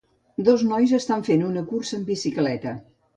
Dos nois estan fent una cursa en bicicleta.